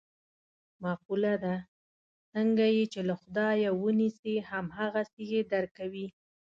مقوله ده: څنګه یې چې له خدایه و نیسې هم هغسې یې در کوي.